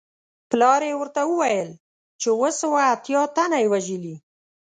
پلار یې ورته وویل چې اووه سوه اتیا تنه یې وژلي.